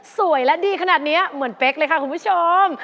สวยและดีขนาดนี้เหมือนเป๊กเลยค่ะคุณผู้ชม